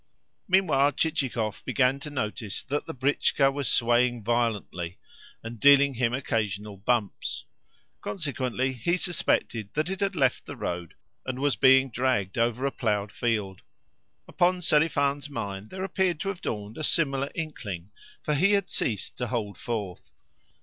Meanwhile Chichikov began to notice that the britchka was swaying violently, and dealing him occasional bumps. Consequently he suspected that it had left the road and was being dragged over a ploughed field. Upon Selifan's mind there appeared to have dawned a similar inkling, for he had ceased to hold forth.